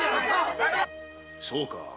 そうか。